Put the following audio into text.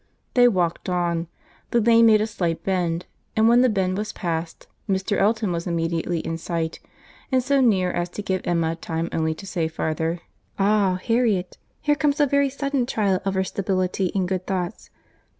They walked on. The lane made a slight bend; and when that bend was passed, Mr. Elton was immediately in sight; and so near as to give Emma time only to say farther, "Ah! Harriet, here comes a very sudden trial of our stability in good thoughts.